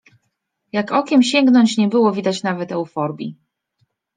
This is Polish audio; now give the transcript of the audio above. Jak okiem sięgnąć, nie było widać nawet euforbii.